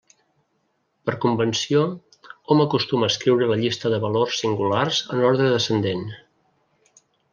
Per convenció, hom acostuma a escriure la llista de valors singulars en ordre descendent.